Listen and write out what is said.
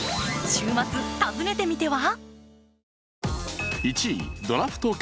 週末、訪ねてみては？